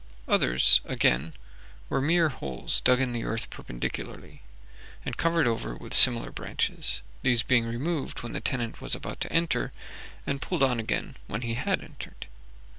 Others, again, were mere holes dug in the earth perpendicularly, and covered over with similar branches, these being removed when the tenant was about to enter, and pulled on again when he had entered.